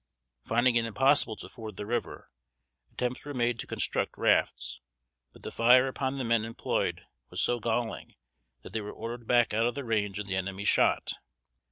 Finding it impossible to ford the river, attempts were made to construct rafts; but the fire upon the men employed was so galling that they were ordered back out of the range of the enemies' shot.